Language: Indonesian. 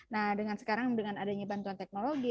nah dengan sekarang dengan adanya bantuan teknologi